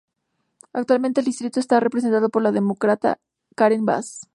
Actualmente el distrito está representado por la Demócrata Karen Bass.